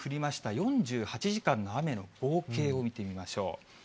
４８時間の雨の合計を見てみましょう。